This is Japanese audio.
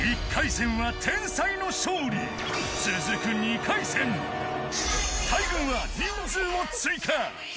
１回戦は天才の勝利続く２回戦大群は人数を追加